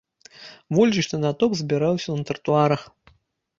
Вулічны натоўп збіраўся на тратуарах.